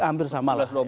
hampir sama lah